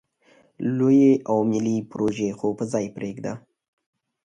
لویې او ملې پروژې خو په ځای پرېږده.